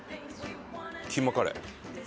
キーマカレー。